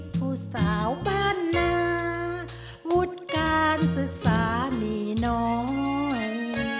ขอบ้านหนาวุฒิการศึกษามีน้อย